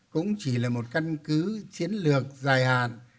cũng chỉ là một căn cứ chiến lược dài hạn